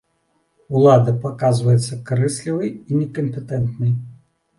Улада паказваецца карыслівай і некампетэнтнай.